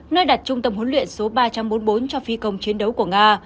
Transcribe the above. nơi đặt trung tâm huấn luyện số ba trăm bốn mươi bốn cho phi công chiến đấu của nga